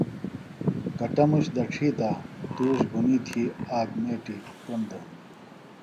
کٹموش دڇھی تہ تُوش بُھنی تھی آک مِیٹیۡ کندوۡ ہنوۡ